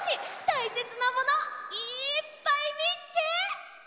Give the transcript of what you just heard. たいせつなものいっぱいみっけ！